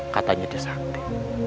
katanya dia sakti